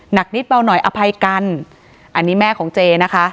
หนักนิดเบาหน่อยอภัยกันอันนี้แม่ของเจนะคะ